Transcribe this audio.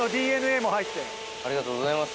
ありがとうございます。